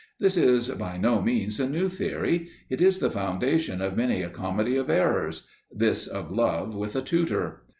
This is by no means a new theory; it is the foundation of many a comedy of errors, this of Love with a Tutor.